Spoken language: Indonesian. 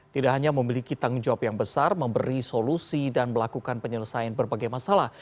tidak hanya memiliki tanggung jawab yang besar memberi solusi dan melakukan penyelesaian berbagai masalah